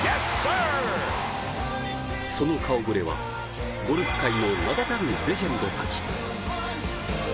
その顔ぶれはゴルフ界の名だたるレジェンドたち。